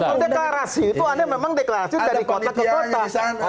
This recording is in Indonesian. kalau deklarasi itu anda memang deklarasi dari kota ke kota